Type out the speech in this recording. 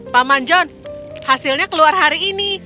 paman john hasilnya keluar hari ini